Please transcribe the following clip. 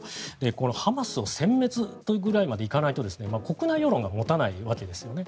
このハマスを、せん滅というぐらいまでいかないと国内世論が持たないわけですよね。